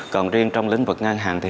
còn riêng trong lĩnh vực ngân hàng thì